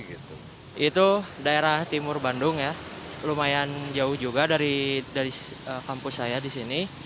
itu daerah timur bandung ya lumayan jauh juga dari kampus saya di sini